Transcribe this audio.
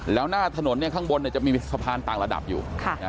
แล้วหน้าถนนข้างบนจะมีสะพานต่างระดับอยู่